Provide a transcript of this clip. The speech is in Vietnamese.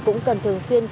cũng cần thường xuyên